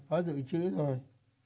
có dự trữ rồi